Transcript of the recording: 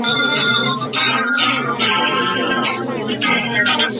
该片背景为北宋宋仁宗赵祯年间。